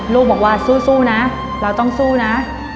ลูกบอกว่าสู้นะเราต้องสู้นะ